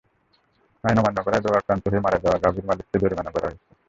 আইন অমান্য করায় রোগাক্রান্ত হয়ে মারা যাওয়া গাভির মালিককে জরিমানা করা হয়েছে।